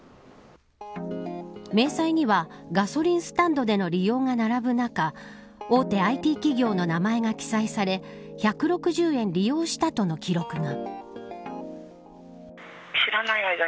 明細にはガソリンスタンドでの利用が並ぶ中大手ＩＴ企業の名前が記載され１６０円利用したとの記録が。